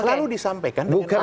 selalu disampaikan dengan